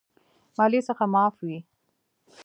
مالیې څخه معاف وي.